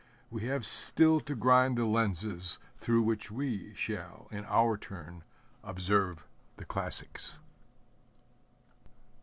We have still to grind the lenses through which we shall, in our turn, observe the classics.